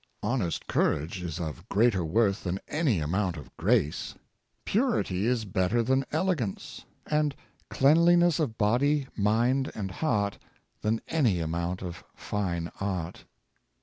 Honest courage is of greater worth than any amount of grace; purity is better than elegance; and cleanliness of body, mind, and heart, than any amount of fine art.